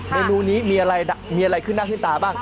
เมนูนี้อะไรขึ้นหน้ากลิ่นตาบ้าง